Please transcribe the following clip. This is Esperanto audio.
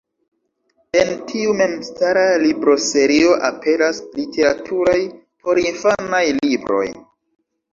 En tiu memstara libroserio aperas literaturaj porinfanaj libroj.